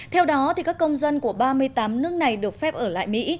theo đó các công dân của ba mươi tám nước này được phép ở lại mỹ